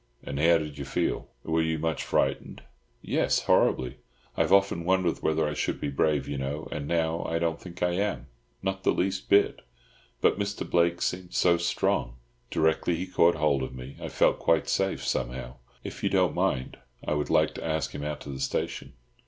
And how did you feel? Were you much frightened?" "Yes, horribly. I have often wondered whether I should be brave, you know, and now I don't think I am. Not the least bit. But Mr. Blake seemed so strong—directly he caught hold of me I felt quite safe, somehow. If you don't mind, I would like to ask him out to the station."